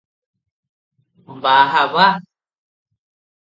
ବାହାବା!